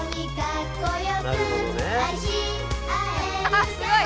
あっすごい。